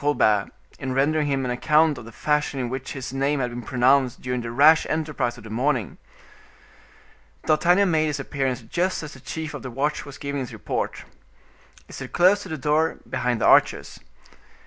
Colbert, in rendering him an account of the fashion in which his name had been pronounced during the rash enterprise of the morning. D'Artagnan made his appearance just as the chief of the watch was giving his report. He stood close to the door, behind the archers.